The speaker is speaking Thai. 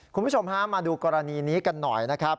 คุณผู้ชมฮะมาดูกรณีนี้กันหน่อยนะครับ